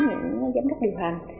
những giám đốc điều hành